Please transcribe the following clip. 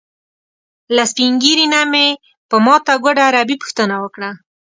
له سپین ږیري نه مې په ماته ګوډه عربي پوښتنه وکړه.